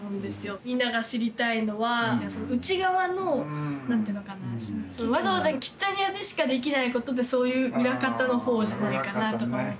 みんなが知りたいのは内側の何ていうのかなわざわざキッザニアでしかできないことでそういう裏方のほうじゃないかなとか思って。